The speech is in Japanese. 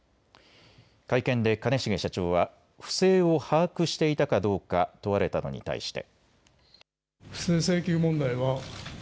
会見で兼重社長は不正を把握していたかどうか問われたのに対して。